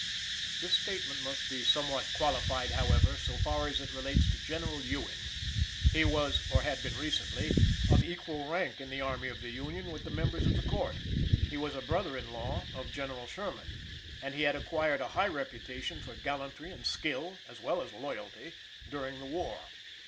This statement must be somewhat qualified, however, so far as it relates to General Ewing. He was, or had been recently, of equal rank in the army of the Union with the members of the Court. He was a brother in law of General Sherman, and he had acquired a high reputation for gallantry and skill, as well as loyalty, during the war.